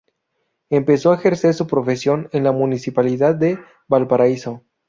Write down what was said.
Empezó a ejercer su profesión en la Municipalidad de Valparaíso.